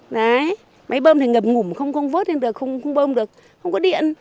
đấy máy bơm thì ngập ngủm không vớt lên được không bơm được không có điện